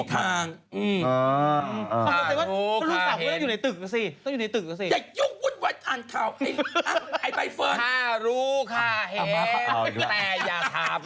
กระเทยเก่งกว่าเออแสดงความเป็นเจ้าข้าว